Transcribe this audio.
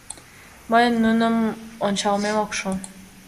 Мыйын нуным ончалмем ок шу.